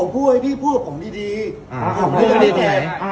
พี่พูดกับผมดี